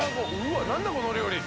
何だこの料理。